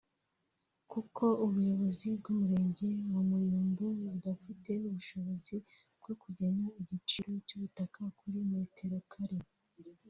kuko ubuyobozi bw’Umurenge wa Muyumbu budafite ubushobozi bwo kugena igiciro cy’ubutaka kuri metero kare